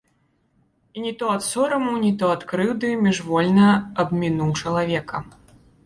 І не то ад сораму, не то ад крыўды міжвольна абмінуў чалавека.